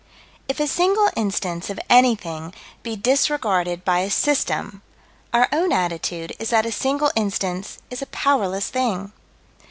If a single instance of anything be disregarded by a System our own attitude is that a single instance is a powerless thing.